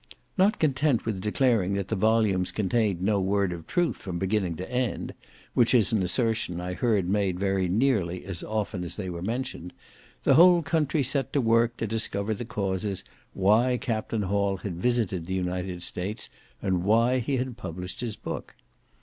Not content with declaring that the volumes contained no word of truth from beginning to end (which is an assertion I heard made very nearly as often as they were mentioned), the whole country set to work to discover the causes why Capt. Hall had visited the United States, and why he had published his book.